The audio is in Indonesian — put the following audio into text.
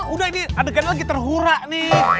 udah ini adegannya lagi terhura nih